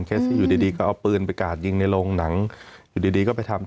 อยู่ดีดีก็เอาปืนไปกาดยิงในโรงหนังอยู่ดีดีก็ไปทำ